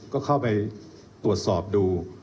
ก็เข้าไปตรวจสอบดู